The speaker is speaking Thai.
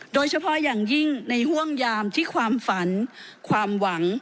โดยเฉพาะอย่างยิ่งในห่วงยามที่ความฝันความหวัง